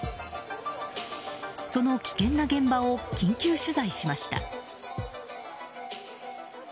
その危険な現場を緊急取材しました。